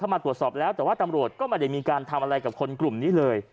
มาตรวจสอบแล้วแต่ว่าตำรวจก็ไม่ได้มีการทำอะไรกับคนกลุ่มนี้เลย